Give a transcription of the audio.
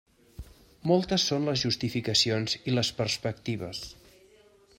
Moltes són les justificacions i les perspectives.